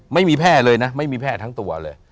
ไม่มีแพร่ไม่มีแพร่ทั้งตัวเลย